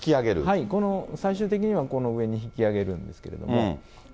この、最終的にはこの上に引き揚げるんですけどね。